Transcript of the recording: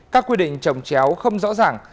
các quy định trồng chéo không rõ ràng